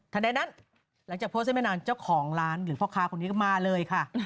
ในนั้นหลังจากโพสต์ได้ไม่นานเจ้าของร้านหรือพ่อค้าคนนี้ก็มาเลยค่ะ